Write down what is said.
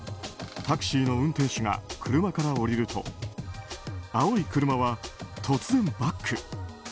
タクシーの運転手が車から降りると青い車は突然バック。